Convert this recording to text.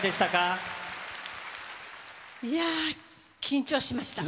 いやー、緊張しました。